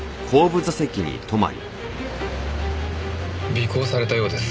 尾行されたようです。